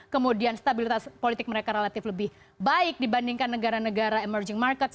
kemudian stabilitas politik mereka relatif lebih baik dibandingkan negara negara emerging market